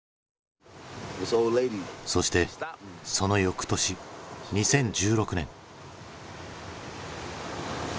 そしてそのよくとし２０１６年。